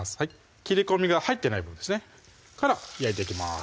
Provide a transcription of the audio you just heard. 切り込みが入ってない部分ですねから焼いていきます